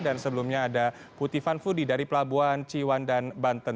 dan sebelumnya ada puti fanfudi dari pelabuhan ciwan dan banten